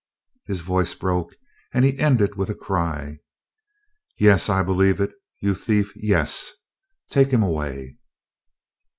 His voice broke, and he ended with a cry. "Yes, I believe it, you thief, yes. Take him away."